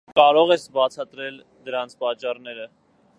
կարո՞ղ ես բացատրել դրանց պատճառները: